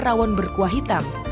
rawon berkuah hitam